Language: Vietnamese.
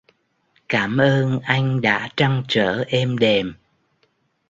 Cảm ơn anh đã trăn trở êm đềm